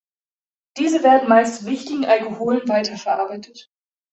Diese werden meist zu wichtigen Alkoholen weiterverarbeitet.